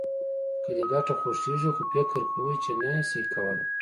که دې ګټه خوښېږي خو فکر کوې چې نه يې شې کولای.